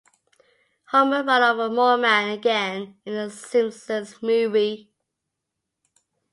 Homer ran over Moleman again in "The Simpsons Movie".